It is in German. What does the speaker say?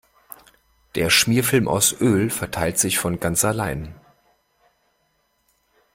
Der Schmierfilm aus Öl verteilt sich von ganz allein.